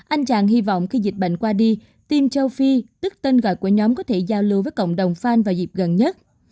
anh chàng hy vọng khi dịch bệnh qua đi tiêm châu phi tức tên gọi của nhóm có thể giao lưu với cộng đồng fan vào dịp gần nhất